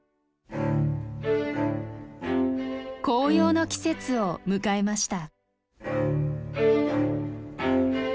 紅葉の季節を迎えました。